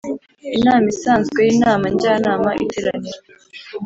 Inama isanzwe y inama njyanama iteranira